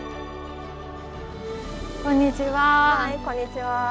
こんにちは。